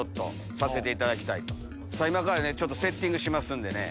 今からねセッティングしますんでね。